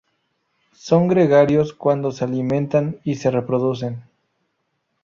Son gregarios cuando se alimentan y se reproducen.